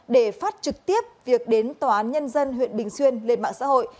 để phát trực tiếp việc đến tòa án nhân dân huyện bình xuyên lên mạng xã hội